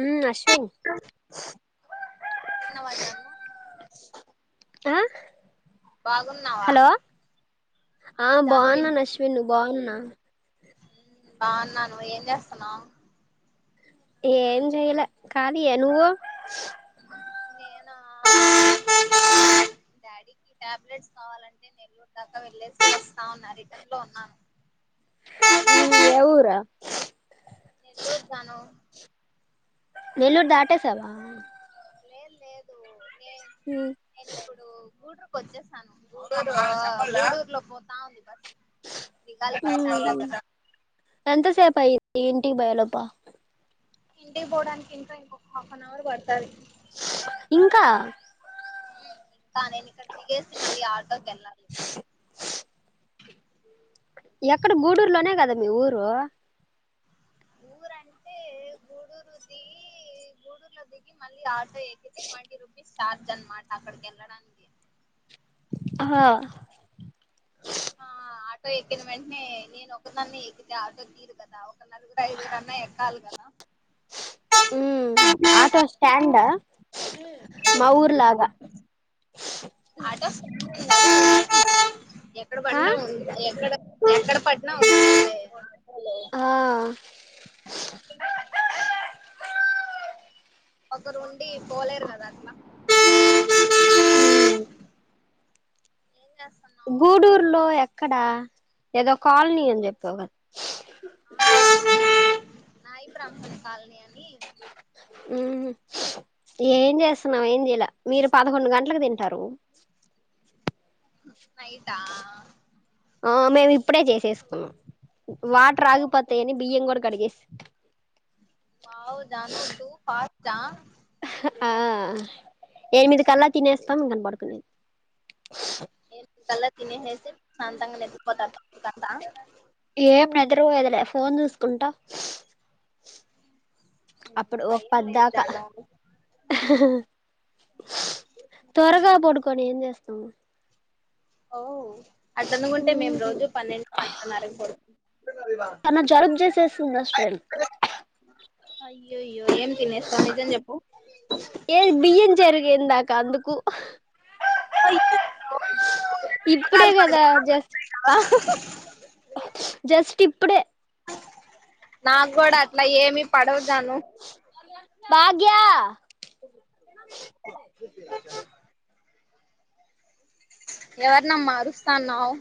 ఉమ్ అశ్విన్ తిన్నవ జాను ఆ బాగున్నావా? హలో ఆ బావున్నాన్ అశ్విన్. బాగున్నా? బావున్నా. నువ్ ఏం చేస్తన్నావ్ ఏం చేయలే కాళీ ఏ నువ్వు నేనా డాడీకీ టాబ్లెట్స్ కావాలంటే నెల్లూరు దాకా వెళ్ళేసి వస్తా ఉన్నా. రిటన్ లో ఉన్నాను. ఉహ్ ఏ ఊర నెల్లూరు జాను నెల్లూరు దాటేసావా. లేదు లేదు నే ఉమ్ నేను ఇప్పుడు గుడ్ ర్ వచ్చేసాను. గూడూరులో పోతా ఉంది బస్ నికాల ప ఉమ్. చ [unintelligible] ఈ ఇంటి బయలోపా ఇంటిక్ బోడన్కింకా ఇంకోక్ హఫ్ అన్ అవర్ బడ్తది. ఇంకా ఇంకా నేను ఇక్కడ దిగేసి మళ్ళీ ఆటోకేళ్ళా ఎక్కడ గూడూరు లోనే కదా మీ ఊరు ఊరంటే గూడూరు దిగి గూడూరులో దిగి మళ్ళీ ఆ తే ట్వంటీ రూపీస్ చార్జ్ అనమాట అక్కడికి ఎళ్ళడానికి ఆహా ఆ ఆటో ఎక్కిన వెంటనే నేను ఒకదన్నే ఎక్కితే ఆటో తీరు కదా ఒక నలుగురు ఐదుగురు అన్నా ఎక్కాలి కదా ఉమ్ ఆటో స్టాండా మా ఊర్ లాగా ఆటోస్ ఉన్ ఎక్కడ ఆ పన్నవ్ ఎక్కడ ఎక్కడ పడ్నావ్. ఏ ఆ ఒకరు ఉండి పోలేరు కదా అట్లా. ఉమ్. ఏ జెస్ గూడూరులో ఎక్కడా ఎదో కాలనీ అని చెప్పావుగ నాయి బ్రాహ్మణ కాలనియని ఉహు ఏం చేస్తున్నావు ఏం చేయలే మీరు పదకొండు గంటలకు తింటారు నైట్ ఆ ఆ మేము ఇప్పుడే చేసేసుకున్నాం వాటర్ ఆగిపోతాయని బియ్యం కూడా కడిగేసి బావుదను డు ఫాస్ట ఆ ఎనిమిది కల్లా తినేస్తాం కనపడుకునేది ఏ కల తినెసేసి ప్రశాంతంగా నిద్రపోతెద్దాం మికద్ద ఏం నిద్రపోయదులే ఫోన్ చూసుకుంటా నువ్వు అప్పుడు ఒక భయం లేదు పద్దాకా దానావ్ త్వరగా పడుకొని ఏం చేస్తాము ఓ అట అనుకుంటే మేము రోజు పన్నెండు పన్నెండున్నరకు పడు చేసిందా శ్రేన్ అయ్యోయ్యో ఏం తినేసావు నిజం చెప్పు కందుకు ఇప్పుడే ఆల్ కదా మనకు జస్ట్ జస్ట్ ఇప్పుడే నాకు గుడా అట్లా ఏమి పడవు జాను భాగ్య [inaudible] ఎవరినమ్మ అరుస్తన్నావు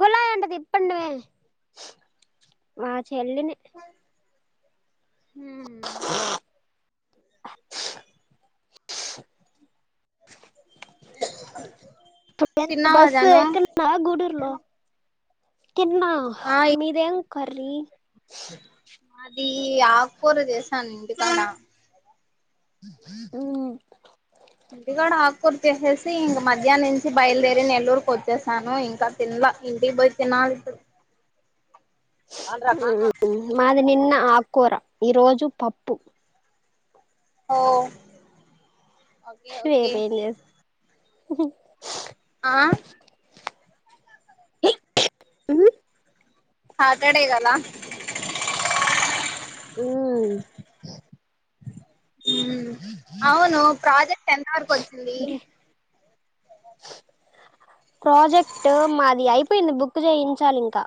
కుళయంట తిప్పండి వే మా చెల్లిని ఇప్పు ఎంత తిన్నావా బస్సు జాను ఎక్కడున్నవ గూడురు లో తిన్నా ఆ మీదెం కర్రీ అది ఆకూర చేసాను ఇంటికాడ ఉ ఇంటికాడ ఆకూర చేసేసి ఇంక మధ్యాహ్న నుంచి బయలుదేరి నెల్లూరుకి వచ్చేసాను ఇంకా తిన్ల కా ఇంటికి బోయి తినాలి ఇప్పుడు మాది నిన్న ఆకూర ఈరోజు పప్పు ఓ ఓకే ఓకే ఉహు ఆ ఉ సాటర్డే కదా ఉ హ్మ్ అవును ప్రాజెక్ట్ ఎంత వరకు వచ్చింది ప్రజెక్ట్ మాది ఐపో ఐపోయింది బుక్ చేయించాలి ఇంకా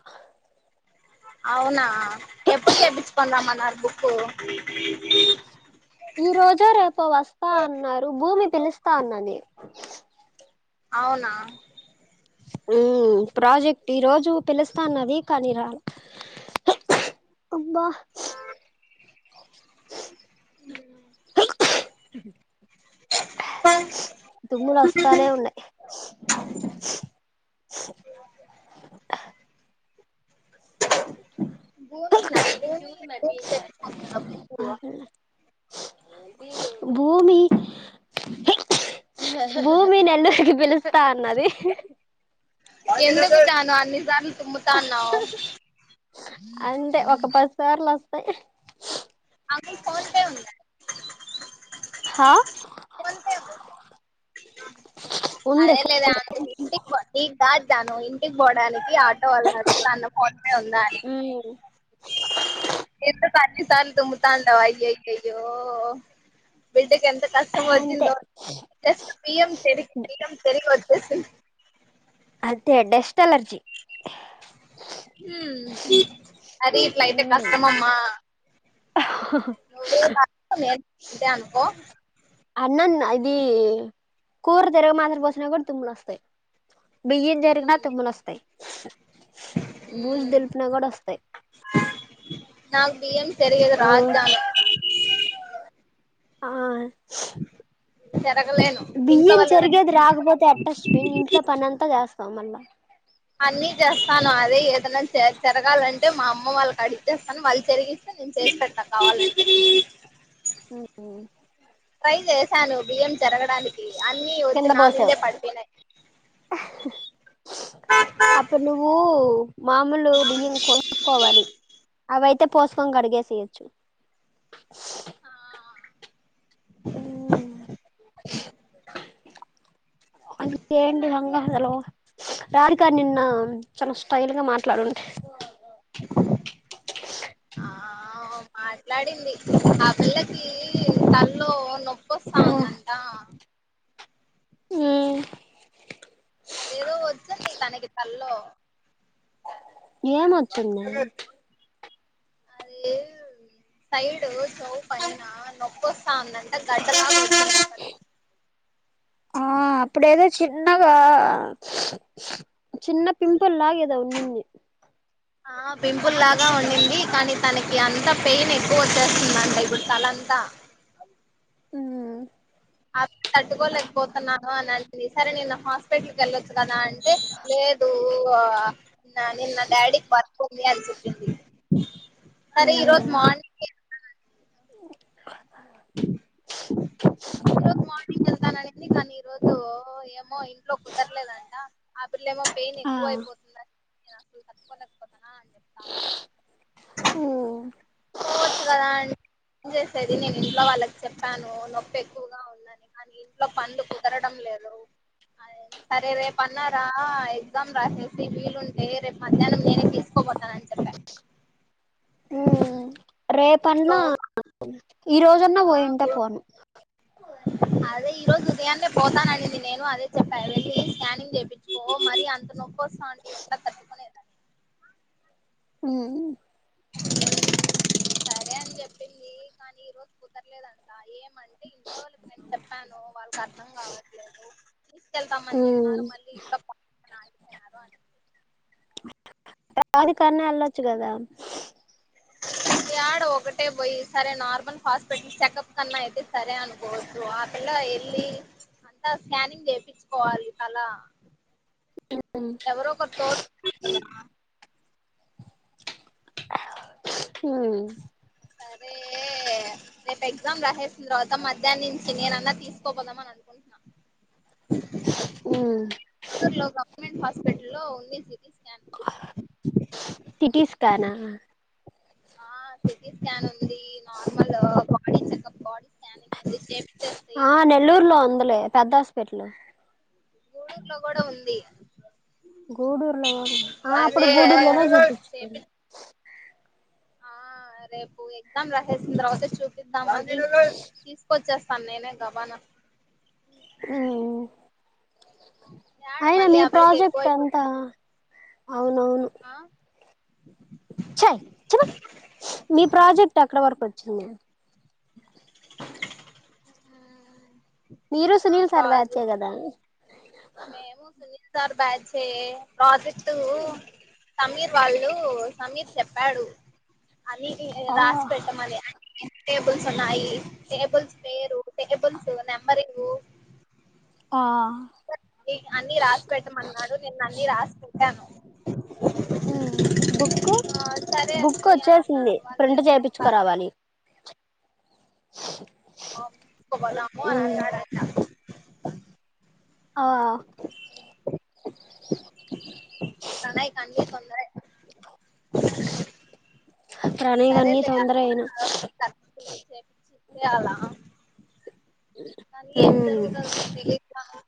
అవునా ఎప్పుడు చేపించుకురమ్మన్నారు బుక్ ఈ రోజో రేపో వస్తా అన్నారు భూమి పిలుస్తా వున్నది అవునా ఉ ప్రాజెక్ట్ ఈ రోజు పిలుస్తాన్నది కానీ రాల అబ్బా తుమ్ములు వస్తానే ఉన్నాయి భూమి నా భూమి భూమి భూమి భూమి నెల్లూరికి పిలుస్తా అన్నది ఎందుకు జాను అన్నిసార్లు తుమ్ముతాన్నావ్ అంతె ఒక పదిసార్లు వస్తాయి అంకుల్ ఫోన్ పే ఉందా హా కొంచసదు ఉంది అదేంలేదే ఆనుండి ఇంటికి పోను కాద్ జాను ఇంటికి పోవడానికి ఆటో వాల్నాడుగుతున్న ఫోన్ ఫోన్ పే ఉంద అని ఉమ్ ఎందుకు అన్ని సార్లు తుమ్ముతాండావ్ అయ్య య యో బిడ్డ కెన్ ఎంత కష్టం అంతే వచ్చిందో జస్ట్ బియ్యం బియ్యం చరిగి వచ్చేసింద్ అంతే డెస్ట్ అలర్జీ హ్మ్ అదే ఇట్లా అయితే ఉమ్ కష్టమమ్మా నువ్వే కాదు నేను కూడా ఇంతే అనుకో అన్నన్న ఇది కూర తిరగ మాత్ర పోసినా కూడా తుమ్ములు వస్తాయి బియ్యం జరిగినా తుమ్ములు వస్తాయి భూజి దుల్పినాకూడా వస్తాయి నాకు బియ్యం చరిగేది ఓ రాదు జాను ఆ చెరగలేను ఇంట్లో బియ్యం వాళ్ళు ఎవరైనా చరిగేది రాకపోతే ఎట్టస్విన్ ఇంట్లో పనంతా చేస్తావ్ మళ్ళా అన్నీ చేస్తాను అదే ఏదైనా చెరగాలంటే మా అమ్మ వాళ్ళకు అడిగి చేస్తాను వాళ్ళు చరిగిస్తే నేను చేసి పెడ్తా కావాలంటే అ ట్రై చేశాను బియ్యం చెరగడానికి అన్ని వచ్చి కింద నా మీందే పడిపోయ్నాయి అప్పుడ్ నువ్వు మామూలు బియ్యం కొనుక్కోవాలి అవయితే పోసుకొని కడిగేసయొచ్చు [unintelligible] హలో రాధిక నిన్న చాలా స్టైల్ గా మాట్లాడుంటే ఆ మాట్లాడింది ఆ పిల్లకి తల్లో నొప్ప ఆ హా హ్మ్ అద ఏదో వచ్చంది తనకి తల్ ఏ మ వచ్చన్న అదే సైడు చౌ పిన నొప్ప ంట గడ్డ ఆ అప్పుడ ఏదో చిన్నగా చిన్న పింపుల్ లాగేదా ఉన్నింది ఆ పింపుల్ లాగా ఉంంది కానీ తనకి అంత పెయిన్ ఎక్కువ వచ్చేస్తుందండి ఇప్పుడు చ ంతా ఆ ఆ పిల్ల తట్టుకోలేకపోతన్నాను అని అనింది సరే నిన్న హాస్పిటల్కి వెళ్ళొచ్చు కదా అంటే టే లేదు నా నిన్న డాడీ కి వర్క్ వుండే అని చెప్పింది సరే ఈరోజు మార్నింగ్ ఈ రు మార్నింగ్ వెళ్తాననిడి తను ఈ రోజు ఏమో ఇంట్లో కుదరలేదంట ఇప్పుడు ఏమో పెయిన్ ఆ ఎక్కువ అయిపోతుంది. నేను అసలు తటుకోలేకపోతున్న ఆ చెప్తా ఉంది పోవచ్చు కదా అన్ ఏం చేసేది నేను ఇంట్లో వాళ్ళకి చెప్పాను నొప్పి ఎక్కువు గా ఉందని కాని ఇంట్లో పనులు కుదరడం లేదు. సరే రేపు అన్నారా ఎగ్జామ్ రాసేసి వీలుంటే రేపు మధ్యాహ్నం నేనే తీసుకుపోతా ఆ చెప్ప రేపన్న ఈరోజన్న పోయింటే పోను [unintelligible] అదే ఈ రోజు ఉదయాన్నే పోతాననింది నేను అదే చెప్పాను వెళ్ళి స్కానింగ్ చూపించుకో మరి అంత నొప్పి కోస ఆంటీ అంత తట్టుకోలేదు హు సరే అని చెప్పింది కానీ ఈరోజు కుదరలేదంట ఏం మళ్ళీ ఇంట్లో వాళ్ళకి నేను చెప్పాను. వాళ్ళకి అర్థం కావట్లేదు. తీసుకెళ్తామని చెప్పినన్నారు మళ్ళీ ఇంట్లో పని ఉంది అని ఆగిపోయినారు అంతే దానికన్నా వెళ్ళొచ్చు కదా యాడ ఒకటే పోయి సరే నార్మల్ హాస్పిటల్ చెకప్ కన్నా అయితే సరే అనుకోవచ్చు ఆ పిల్ల ఎల్లి అంతా స్కానింగ్ చేపించుకోవాలి తల ఎవరో ఒకరు తోడు హు అరే రేపు ఎగ్జామ్ రాసేసిన తర్వాత మధ్యాహ్నం నుంచి నేనన్నా తీసుకోపోదాం అని అనుకుంటున్న చిత్తూరు లో గవర్నమెంట్ హాస్పిటల్ లో ఉంది సిటీ స్కాన్ సిటీ స్కాన్ ఆ ఆ సిటీ స్కాన్ ఉంది. Normal body checkup body scanning ఉంది చేపిచ్చేసి ఆ నెల్లూరులో ఉందిలే పెద్ద హాస్పిటల్ గూడూరులో కూడా ఉంది గూడూర్లో ఆ అప్పుడు అదే గూడూరులోనే చూపించుకున్న చేపి ఆ రేపు ఎగ్జామ్ రాహేసిన తర్వాత చూపిద్దాం అని తీసుకొచ్చేస్త తన్నేనే గబానా హు [unintelligible] అయినా మళ్ళీ మీ ఆ పిల్లకి ఎక్కువ ప్రాజెక్ట్ అయిపోతుంది అంతా అవునవును ఆ చాయ్ చి పో మీ ప్రాజెక్ట్ ఎక్కడ వరకు వచ్చింది. [unintelligible] మీరు ఆ సునీల్ సార్ బ్యాచ్చే ప్రాజెక్ట్ కదా మేము సునీల్ సార్ బ్యాచ్చే ప్రాజెక్టు సమీర్ వాళ్ళు, సమీర్ చెప్పాడు. అది ఆ రాసి పెట్టమని [inaudible] టేబుల్ ఉన్నాయి టేబుల్స్ పేరు టేబుల్స్ నెంబరింగ్ ఆ అన్ని రాసి పెట్టమన్నాడు. నేను అన్ని రాసి పెట్టాను. హు బుక్ ఆ సరే బుక్ అశ్విని అని వచ్చేసింది. అన్నాడు వాళ్ళు ఏం ప్రింట్ చేస్తారు చేపించుకురావాలి. [unintelligible] ఆ వాళ్ళ అమ్మ ఉమ్ అన్నాడంట ఆ కనై కన్నీ తొందర్ ప్రణయ్వికి అన్ని సరేలే తొందరే అయినా, తే అలా కానీ ఏం ఉమ్ జరుగుతాదో తెలీదు నాకు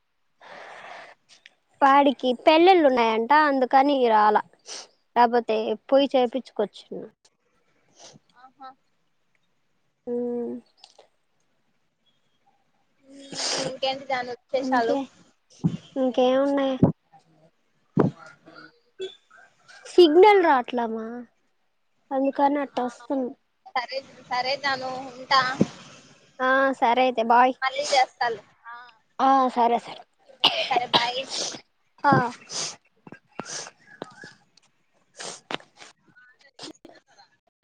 [unintelligible] వాడికి పెళ్ళిళ్ళు ఉన్నాయట. అందుకని రాల, లేకపోతే పొయి చెప్పించ్ కొచ్చు [unintelligible] ఆ మ్మ్ ఇంకేంటి జాను విశేషాలు ఇంకే ఇంకేమున్నాయి సిగ్నల్ రాట్లమ్మా అందుకని ఆటోస్తుంది సర జాను ఉంటా ఆ సరే అయితే బాయ్ మళ్ళీ చేస్తాలే ఆ ఆ సరే సరే సరే బాయ్ ఆ